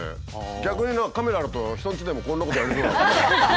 逆に何かカメラあると人んちでもこんなことやりそうだもんね。